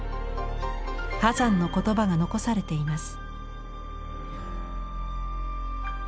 波山の言葉が残されています。